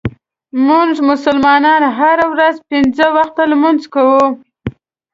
مونږ مسلمانان هره ورځ پنځه وخته لمونځ کوو.